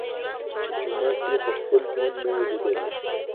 چي جومات یې په خپل ژوند نه وو لیدلی